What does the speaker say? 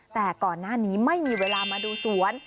แต่ก่อนหน้านี้ไม่มีเวลามาดูสวน